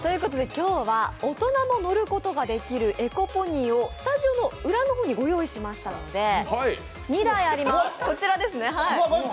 今日は大人も乗ることができるエコポニーをスタジオの裏の方にご用意したので、２台あります。